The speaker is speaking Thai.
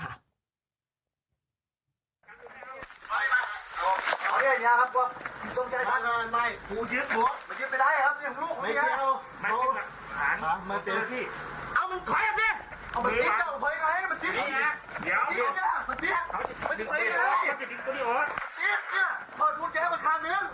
ติ๊กตัวนี้หรอติ๊กเนี่ยเผื่อถูกแจ้วอีกครั้งนึง